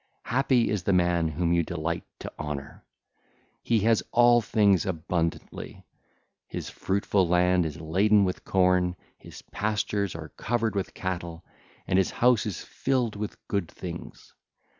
Happy is the man whom you delight to honour! He has all things abundantly: his fruitful land is laden with corn, his pastures are covered with cattle, and his house is filled with good things.